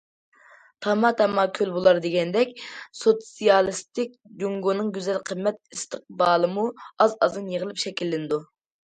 تاما- تاما كۆل بولار دېگەندەك، سوتسىيالىستىك جۇڭگونىڭ گۈزەل قىممەت ئىستىقبالىمۇ ئاز- ئازدىن يىغىلىپ شەكىللىنىدۇ.